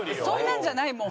そんなんじゃない？